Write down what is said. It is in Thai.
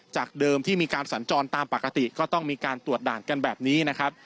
จากเดิมที่มีการสัญจรตามปกติก็ต้องมีการตรวจด่านกันแบบนี้นะครับ